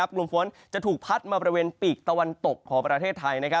กลุ่มฝนจะถูกพัดมาบริเวณปีกตะวันตกของประเทศไทย